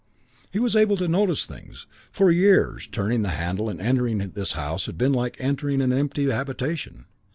He was able to notice things. For years turning the handle and entering this house had been like entering an empty habitation.